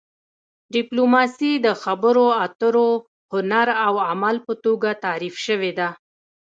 ډیپلوماسي د خبرو اترو هنر او عمل په توګه تعریف شوې ده